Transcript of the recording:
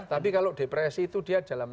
tapi kalau depresi itu dia dalam